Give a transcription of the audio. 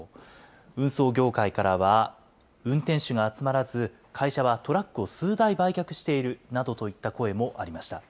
運送業界からは、運転手が集まらず、会社はトラックを数台売却しているなどといった声もありました。